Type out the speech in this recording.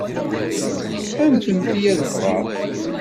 Anfemt-iyi ad ffɣeɣ!